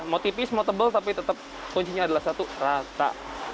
mau tipis mau tebal tapi tetap kuncinya adalah satu rata